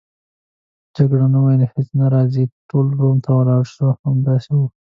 جګړن وویل: هیڅ نه، راځئ ټول روم ته ولاړ شو، همدا اوس ځو.